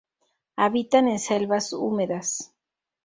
Habitan en selvas húmedas.